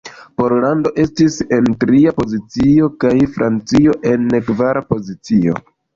Pollando estis en tria pozicio, kaj Francio en kvara pozicio.